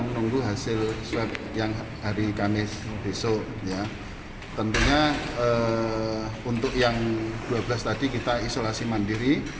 menunggu hasil swab yang hari kamis besok tentunya untuk yang dua belas tadi kita isolasi mandiri